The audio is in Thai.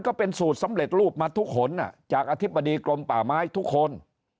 ก็เป็นสูตรสำเร็จรูปมาทุกหนจากอธิบดีกรมป่าไม้ทุกคน